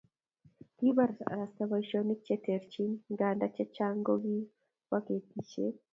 Kikibarasta boisionik che terchin nganda chechang kokibo ketisiet